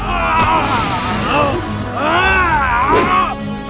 aku akan menghina kau